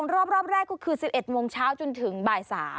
รอบแรกก็คือ๑๑โมงเช้าจนถึงบ่าย๓